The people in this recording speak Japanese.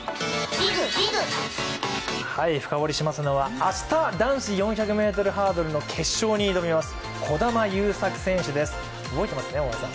深掘りしますのは、明日、男子４００ｍハードルの決勝に挑みます児玉悠作選手です、覚えていますね、小川さん。